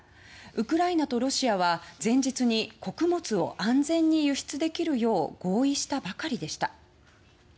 ウクライナとロシアは前日に穀物を安全に輸出できるよう合意したばかりでした。